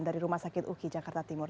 dari rumah sakit uki jakarta timur